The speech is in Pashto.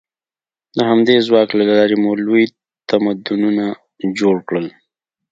د همدې ځواک له لارې مو لوی تمدنونه جوړ کړل.